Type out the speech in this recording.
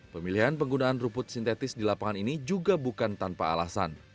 pemilihan penggunaan rumput sintetis di lapangan ini juga bukan tanpa alasan